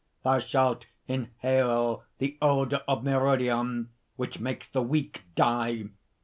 Thou shalt inhale the odor of myrrhodion which makes the weak die.